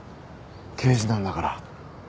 刑事なんだから。